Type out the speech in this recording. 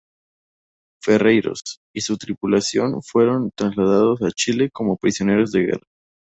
Ferreyros y su tripulación fueron trasladados a Chile como prisioneros de guerra.